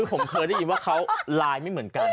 ผมเคยได้ยินว่าเขาไลน์ไม่เหมือนกัน